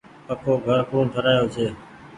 پڪو گھر ڪوڻ ٺرآيو ڇي۔